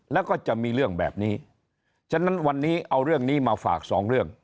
แล้วก็จะมีเรื่องแบบนี้ฉะนั้นวันนี้เอาเรื่องนี้มาฝากสองเรื่อง